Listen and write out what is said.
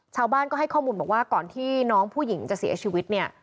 ชาวบ้านก็ให้ข้อมูลบอกว่าก่อนที่น้องผู้หญิงจะเสียชีวิตเนี่ย